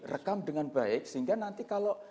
rekam dengan baik sehingga nanti kalau